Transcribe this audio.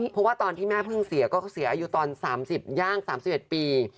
เพราะว่าตอนที่แม่เพิ่งเสียก็เสียอายุตอน๓๐ย่าง๓๑ปี